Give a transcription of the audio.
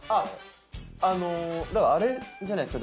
あああれじゃないですか？